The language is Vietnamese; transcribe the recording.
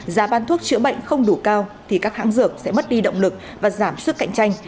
giá bán thuốc chữa bệnh không đủ cao thì các hãng dược sẽ mất đi động lực và giảm sức cạnh tranh